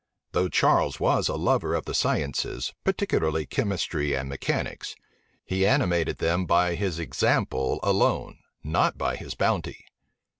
Though Charles was a lover of the sciences, particularly chemistry and mechanics, he animated them by his example alone not by his bounty.